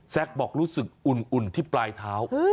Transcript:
บอกรู้สึกอุ่นที่ปลายเท้า